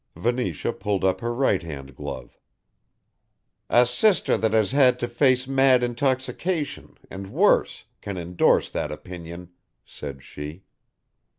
Venetia pulled up her right hand glove. "A sister that has had to face mad intoxication and worse, can endorse that opinion," said she.